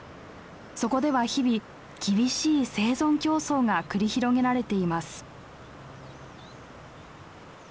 そこでは日々厳しい生存競争が繰り広げられています。